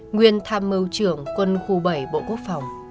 nguyên tham mưu trưởng quân khu bảy bộ quốc phòng